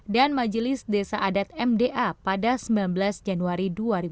dan majelis desa adat mda pada sembilan belas januari dua ribu dua puluh satu